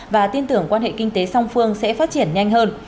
và tin tưởng quan hệ kinh tế song phương sẽ phát triển nhanh hơn